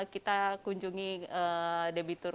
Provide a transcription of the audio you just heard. kita kunjungi debitur